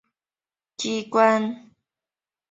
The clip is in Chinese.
众议院是立法的主要机关。